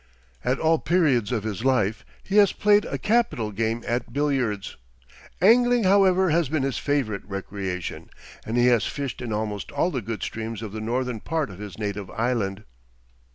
At all periods of his life he has played a capital game at billiards. Angling, however, has been his favorite recreation, and he has fished in almost all the good streams of the northern part of his native island.